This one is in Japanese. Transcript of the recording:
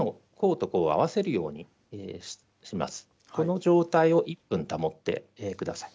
この状態を１分保ってください。